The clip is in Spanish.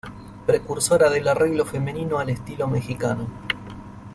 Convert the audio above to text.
Precursora del arreglo femenino al estilo mexicano.